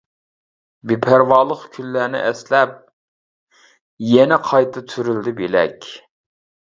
بىپەرۋالىق كۈنلەرنى ئەسلەپ، يەنە قايتا تۈرۈلدى بىلەك.